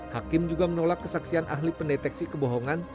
hakim juga menolak kesaksian ahli pendeteksi kebohongan